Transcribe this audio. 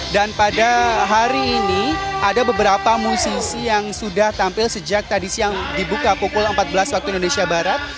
dan pada hari ini ada beberapa musisi yang sudah tampil sejak tadi siang dibuka pukul empat belas waktu indonesia barat